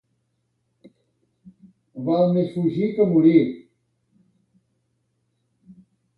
Val més fugir que morir.